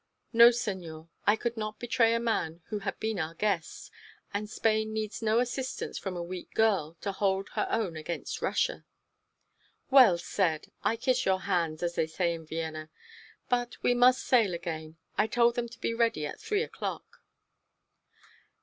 "No, senor, I could not betray a man who had been our guest, and Spain needs no assistance from a weak girl to hold her own against Russia." "Well said! I kiss your hands, as they say in Vienna. But we must sail again. I told them to be ready at three o'clock."